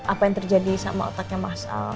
apa yang terjadi sama otaknya mas